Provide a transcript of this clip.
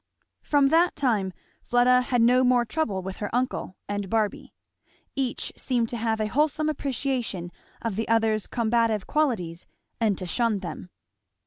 From that time Fleda had no more trouble with her uncle and Barby. Each seemed to have a wholesome appreciation of the other's combative qualities and to shun them.